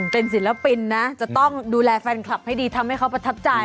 เป็นศิลปินนะจะต้องดูแลแฟนคลับให้ดีทำให้เขาประทับใจ